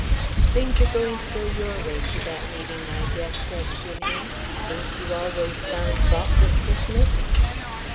"Things are going to go your way to that meeting, I guess," said Simeon; "ain't you always found fault with Christmas?"